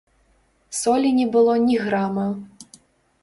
Солі не было ні грама.